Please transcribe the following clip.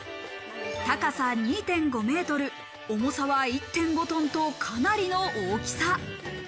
高さ２．５ｍ、重さは１．５トンとかなりの大きさ。